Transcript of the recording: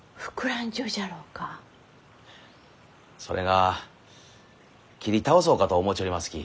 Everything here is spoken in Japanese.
それが切り倒そうかと思うちょりますき。